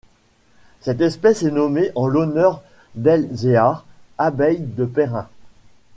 Cette espèce est nommée en l'honneur d'Elzéar Abeille de Perrin.